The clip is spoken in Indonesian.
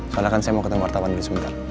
soalnya kan saya mau ketemu wartawan dulu sebentar